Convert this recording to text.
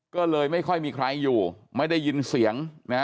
ก็เลยไม่ค่อยมีใครอยู่ไม่ได้ยินเสียงนะ